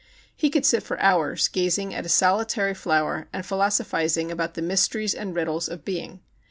He could sit for hours gazing at a solitary flower and philoso phizing about the mysteries and riddles of being.